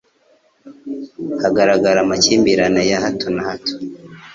hagaragara amakimbirane ya hato na hato